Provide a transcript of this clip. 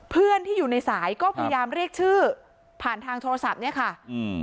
เพื่อนที่อยู่ในสายก็พยายามเรียกชื่อผ่านทางโทรศัพท์เนี้ยค่ะอืม